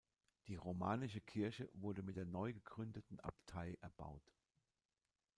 Die romanische Kirche wurde mit der neu gegründeten Abtei erbaut.